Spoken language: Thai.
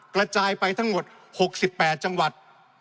กระจายไปทั้งหมด๖๘จังหวัด